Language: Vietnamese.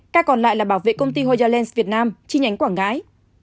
ca còn lại là bảo vệ công ty hoya lens việt nam chi nhánh quảng ngãi